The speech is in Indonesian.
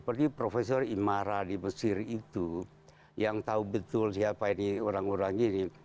seperti profesor imara di mesir itu yang tahu betul siapa ini orang orang ini